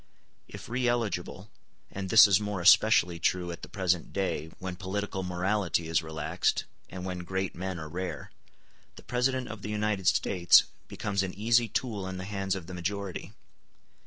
If re eligible (and this is more especially true at the present day, when political morality is relaxed, and when great men are rare), the President of the United States becomes an easy tool in the hands of the majority.